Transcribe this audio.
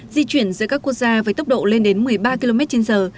di chuyển giữa các quốc gia với tốc độ lên đến một mươi ba km trên giờ